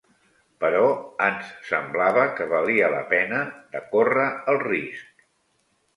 Però ens semblava que valia la pena de córrer el risc